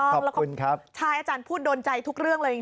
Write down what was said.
ใช่อาจารย์พูดโดนใจทุกเรื่องเลยจริง